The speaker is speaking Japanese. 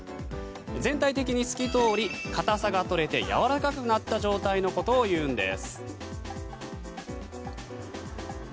全体的に透き通り硬さが取れてやわらかくなった状態のことを言うんです。